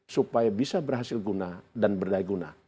supaya bisa berhasil guna dan berdaya guna